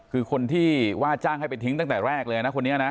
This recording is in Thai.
คือคนที่ว่าจ้างให้ไปทิ้งตั้งแต่แรกเลยนะคนนี้นะ